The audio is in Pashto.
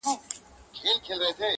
لكه د دوو جنـــــــگ~